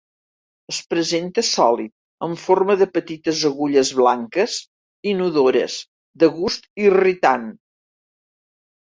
Es presenta sòlid en forma de petites agulles blanques, inodores, de gust irritant.